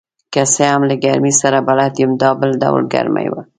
که څه هم له ګرمۍ سره بلد یم، دا بل ډول ګرمي وه.